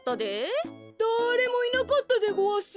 だれもいなかったでごわす。